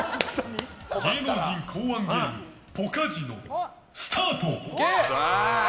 芸能人考案ゲームポカジノスタート！